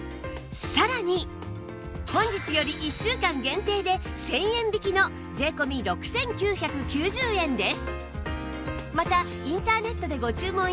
さらに本日より１週間限定で１０００円引きの税込６９９０円です！